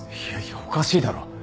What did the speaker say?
いやいやおかしいだろ。